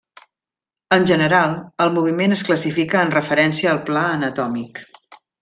En general, el moviment es classifica en referència al pla anatòmic.